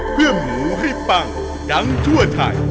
เพื่อหมูให้ปังดังทั่วไทย